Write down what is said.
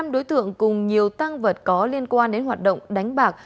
hai mươi năm đối tượng cùng nhiều tăng vật có liên quan đến hoạt động đánh bạc